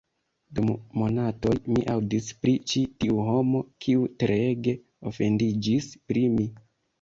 Dum monatoj, mi aŭdis pri ĉi tiu homo, kiu treege ofendiĝis pri mi